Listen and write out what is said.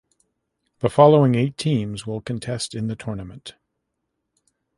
The following eight teams will contest in the tournament.